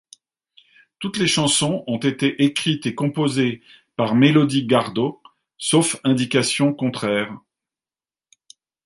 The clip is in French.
Toutes les chansons ont été écrites et composées par Melody Gardot, sauf indication contraire.